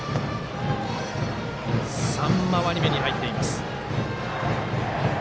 ３回り目に入っています。